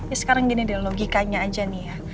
ini sekarang gini deh logikanya aja nih ya